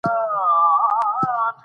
پاڼه نڅېدی شي خو ماتېدی نه شي.